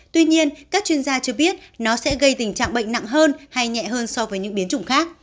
tuy nhiên các chuyên gia cho biết nó sẽ gây tình trạng bệnh nặng hơn hay nhẹ hơn so với những biến chủng khác